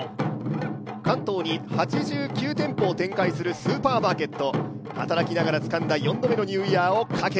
関東に８６店舗を展開するスーパーマーケット。